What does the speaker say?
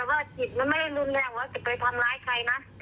เพราะว่ามันไม่ได้เป็นบ้ามันหลอนอย่าง